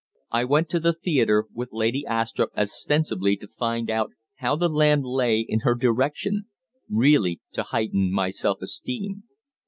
"I went to the theatre with Lady Astrupp ostensibly to find out how the land lay in her direction really to heighten my self esteem.